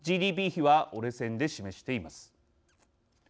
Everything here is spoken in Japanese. ＧＤＰ比は折れ線で示しています。